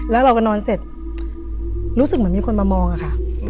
แล้วเราก็นอนเสร็จรู้สึกเหมือนมีคนมามองอะค่ะ